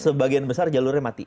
sebagian besar jalurnya mati